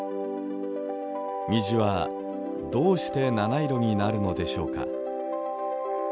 虹はどうして７色になるのでしょうか。